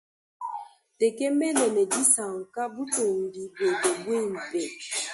Ntekemene ne disanka butumbi bwabe bwimpe.